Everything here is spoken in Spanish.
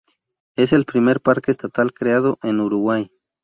Es el primer parque estatal creado en Uruguay.